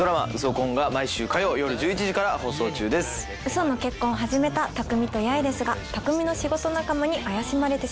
嘘の結婚を始めた匠と八重ですが匠の仕事仲間に怪しまれてしまいます。